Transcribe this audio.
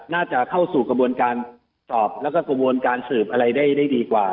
น่าจะเข้าสู่กระบวนการสอบแล้วก็กระบวนการสืบอะไรได้ดีกว่า